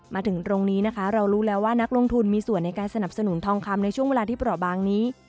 มาถึงตรงนี้นะคะเรารู้แล้วว่านักลงทุนมีส่วนในการสนับสนุนทองคำในช่วงเวลาที่เปราะบางนี้